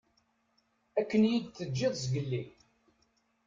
Akken iyi-teǧǧiḍ zgelli.